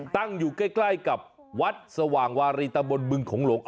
ตั้งอยู่ใกล้กับวัดสว่างวารีตะบนบึงของหลวง